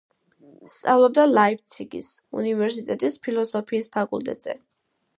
სწავლობდა ლაიფციგის, უნივერსიტეტის ფილოსოფიის ფაკულტეტზე.